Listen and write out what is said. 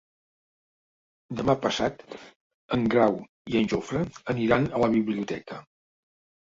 Demà passat en Grau i en Jofre aniran a la biblioteca.